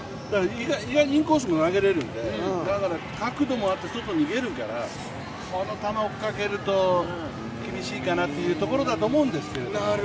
意外にインコースも投げれるんで、だから角度もあって外に逃げるから、この球追っかけると厳しいかなっていうところだと思うんですけど。